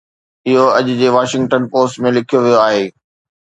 اهو اڄ جي واشنگٽن پوسٽ ۾ لکيو ويو آهي